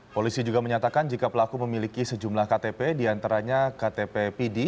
polisi juga menyatakan jika pelaku memiliki sejumlah ktp diantaranya ktp pd